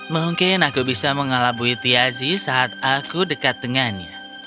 mungkin aku bisa mengelabui tiazi saat aku dekat dengannya